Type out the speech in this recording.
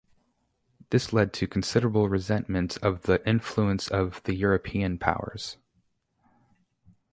This led to considerable resentment of the influence of the European powers.